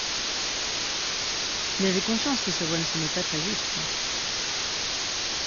Il avait conscience que sa voix ne sonnait pas très juste.